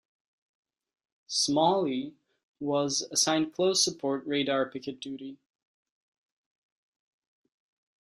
"Smalley" was assigned close support radar picket duty.